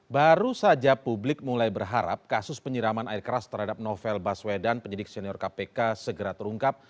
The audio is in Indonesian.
baru saja publik mulai berharap kasus penyiraman air keras terhadap novel baswedan penyidik senior kpk segera terungkap